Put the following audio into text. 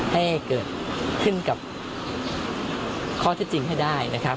ให้เกิดขึ้นกับข้อเท็จจริงให้ได้นะครับ